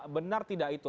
benar tidak itu